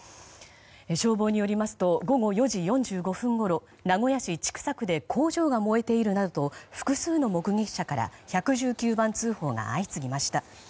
消防によりますと午後４時４５分ごろ名古屋市千種区で工場が燃えているなどと複数の目撃者から１１９番通報が相次ぎました。